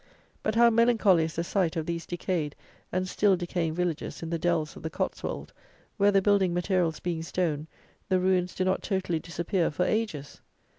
But how melancholy is the sight of these decayed and still decaying villages in the dells of the Cotswold, where the building materials, being stone, the ruins do not totally disappear for ages!